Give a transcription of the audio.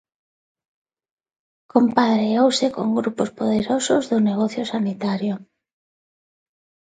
Compadreouse con grupos poderosos do negocio sanitario.